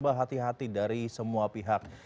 berubah hati hati dari semua pihak